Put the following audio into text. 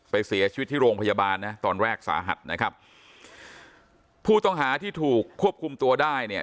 เสียชีวิตที่โรงพยาบาลนะตอนแรกสาหัสนะครับผู้ต้องหาที่ถูกควบคุมตัวได้เนี่ย